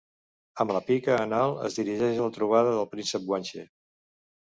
Amb la pica en alt es dirigeix a la trobada del príncep guanxe.